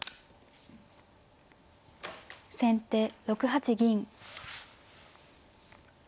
先手６八銀。